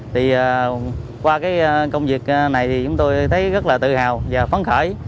thì qua cái công việc này thì chúng tôi thấy rất là tự hào và phấn khởi